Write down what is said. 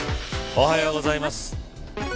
おはようございます。